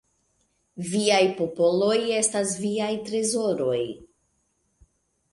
Viaj popoloj estas viaj trezoroj.